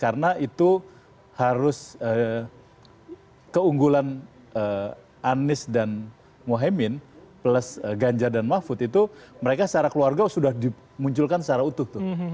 karena itu harus keunggulan anies dan mohemmin plus ganjar dan mahfud itu mereka secara keluarga sudah dimunculkan secara utuh tuh